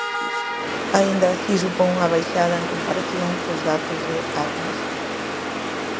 Aínda así supón unha baixada en comparación cos datos de hai unha semana.